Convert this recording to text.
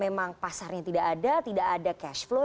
memang pasarnya tidak ada tidak ada cash flow